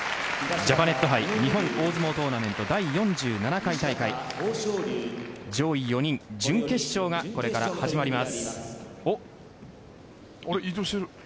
ジャパネット杯日本大相撲トーナメント第４７回大会上位４人準決勝がこれから始まります。